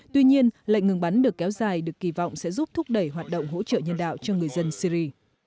tuy nhiên lệnh ngừng bắn được kéo dài được kỳ vọng sẽ giúp thúc đẩy hoạt động hỗ trợ nhân đạo cho người dân syri